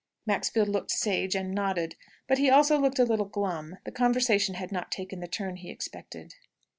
Maxfield looked sage, and nodded. But he also looked a little glum. The conversation had not taken the turn he expected.